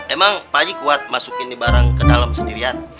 emang pak haji kuat masukin barang ke dalam sendirian